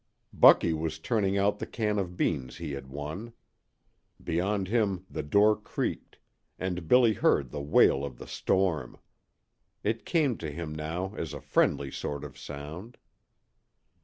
Bucky was turning out the can of beans he had won. Beyond him the door creaked, and Billy heard the wail of the storm. It came to him now as a friendly sort of sound.